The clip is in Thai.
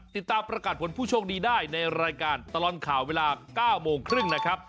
ติดตามประกาศผลผู้โชคดีได้ในรายการตลอดข่าวเวลา๙โมงครึ่งนะครับ